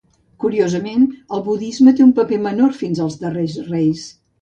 Curiosament, el budisme té un paper menor fins als darrers reis.